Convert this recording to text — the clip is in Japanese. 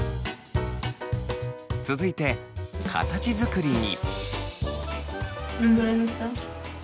続いて形作りに。